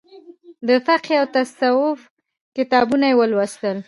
د فقهي او تصوف کتابونه یې ولوستل.